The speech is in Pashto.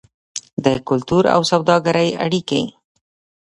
د کلتور او سوداګرۍ اړیکې.